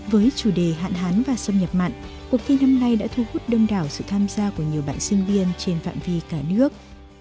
với chủ đề hạn hán và xâm nhập mặn cuộc thi năm nay đã thu hút đông đảo sự tham gia của nhiều bạn sinh viên trên phạm vi cả nước